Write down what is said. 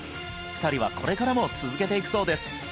２人はこれからも続けていくそうです